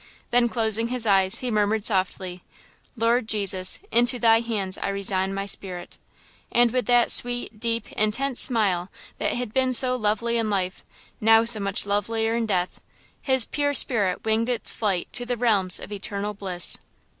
Then, closing his eyes, he murmured softly: " 'Lord Jesus, into thy hands I resign my spirit:' " and with that sweet, deep, intense smile that had been so lovely in life–now so much lovelier in death–his pure spirit winged its flight to the realms of eternal bliss.